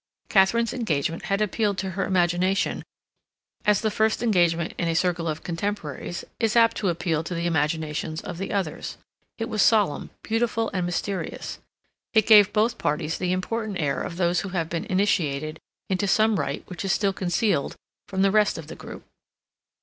Katharine's engagement had appealed to her imagination as the first engagement in a circle of contemporaries is apt to appeal to the imaginations of the others; it was solemn, beautiful, and mysterious; it gave both parties the important air of those who have been initiated into some rite which is still concealed from the rest of the group.